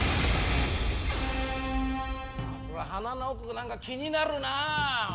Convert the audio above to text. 鼻の奥何か気になるなぁ。